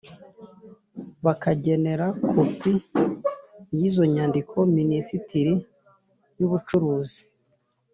bakagenera kopi y’ izo nyandiko Minisiteri y’ Ubucuruzi